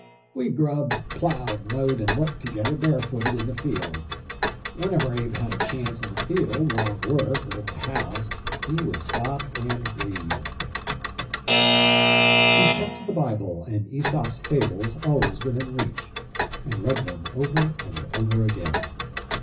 We grubbed, plowed, mowed, and worked together bare footed in the field. Whenever Abe had a chance in the field while at work, or at the house, he 44 THE LIFE OF LINCOLN: would stop and read." He kept the Bible and "yEsop's Fables " always within reach, and read them over and over again.